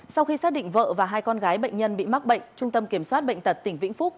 sau khi xác định vợ và hai con gái bệnh nhân bị mắc bệnh trung tâm kiểm soát bệnh tật tỉnh vĩnh phúc